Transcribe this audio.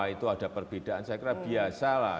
itu ada perbedaan saya kira biasa lah